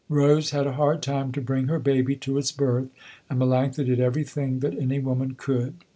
Rose had a hard time to bring her baby to its birth and Melanctha did everything that any woman could.